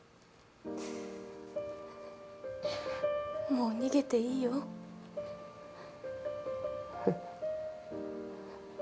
もう逃げていいよ。えっ？